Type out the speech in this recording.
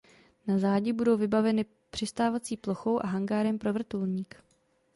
Na zádi budou vybaveny přistávací plochou a hangárem pro vrtulník.